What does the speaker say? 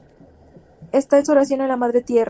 Esta es su oración a la Madre Tierra.